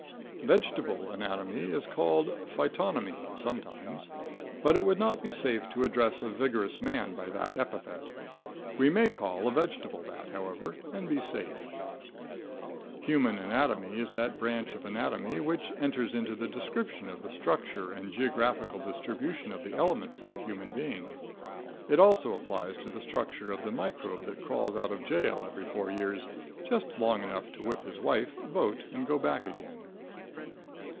Vegetable anatomy is called phytonomy, sometimes. But it would not be safe to address a vigorous man by that epithet. We may call a vegetable that, however, and be safe. Human anatomy is that branch of anatomy which enters into the description of the structure and geographical distribution of the elements of a human being. It also applies to the structure of the microbe that crawls out of jail every four years just long enough to whip his wife, vote and go back again.